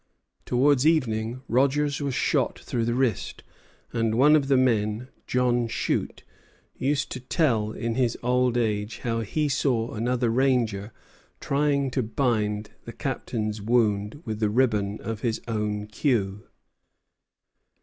Towards evening Rogers was shot through the wrist; and one of the men, John Shute, used to tell in his old age how he saw another ranger trying to bind the captain's wound with the ribbon of his own queue.